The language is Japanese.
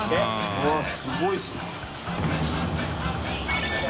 うわっすごいですね。